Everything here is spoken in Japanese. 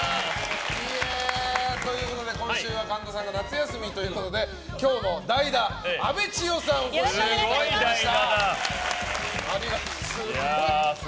今週は神田さんが夏休みということで今日も代打、阿部知代さんにお越しいただきました。